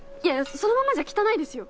そのままじゃ汚いですよ。